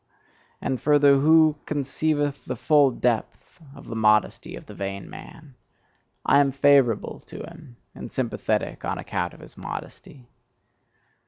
And further, who conceiveth the full depth of the modesty of the vain man! I am favourable to him, and sympathetic on account of his modesty.